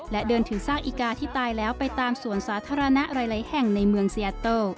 และเดินถือซากอีกาที่ตายแล้วไปตามสวนสาธารณะหลายแห่งในเมืองเซียโต